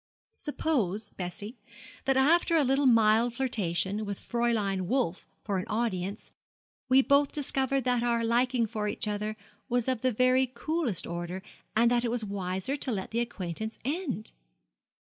'Suppose, Bessie, that after a little mild flirtation, with Fräulein Wolf for an audience, we both discovered that our liking for each other was of the very coolest order, and that it was wiser to let the acquaintance end?'